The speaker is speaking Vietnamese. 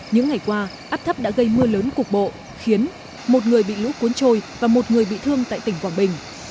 những ngày qua áp thấp đã gây mưa lớn cục bộ khiến một người bị lũ cuốn trôi và một người bị thương tại tỉnh quảng bình